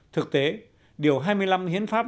thực tế điều hai mươi năm hiến pháp